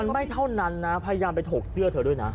มันไม่เท่านั้นนะพยายามไปถกเสื้อเธอด้วยนะ